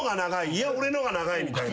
「いや俺のが長い」みたいな。